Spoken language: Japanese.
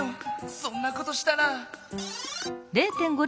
そんなことしたら。